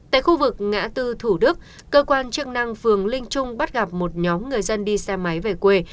tại khu vực ngã tư thủ đức cơ quan chức năng phường linh trung bắt gặp một nhóm người dân đi xe máy về quê